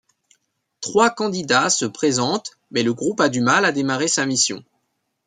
Trois candidats se présentent mais le groupe a du mal à démarrer sa mission.